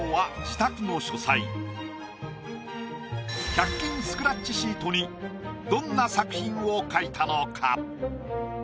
１００均スクラッチシートにどんな作品を描いたのか？